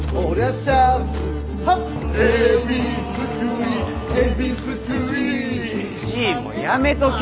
じいもやめとけ。